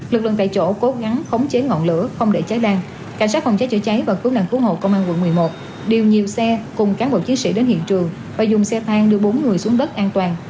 lực lượng tại chỗ cố gắng khống chế ngọn lửa không để cháy lan cảnh sát phòng cháy chữa cháy và cứu nạn cứu hộ công an quận một mươi một điều nhiều xe cùng cán bộ chiến sĩ đến hiện trường và dùng xe thang đưa bốn người xuống đất an toàn